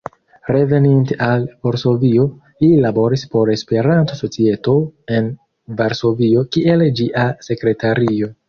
Reveninte al Varsovio, li laboris por la Esperanto-Societo en Varsovio kiel ĝia sekretario.